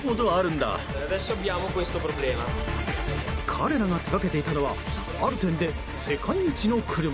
彼らが手掛けていたのはある点で世界一の車。